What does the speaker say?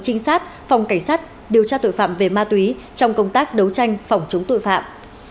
trinh sát phòng cảnh sát điều tra tội phạm về ma túy trong công tác đấu tranh phòng chống tội phạm